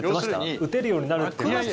打てるようになるって話で。